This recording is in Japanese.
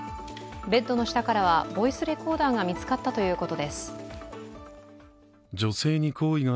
ベッドの下からはボイスレコーダーが見つかったということです。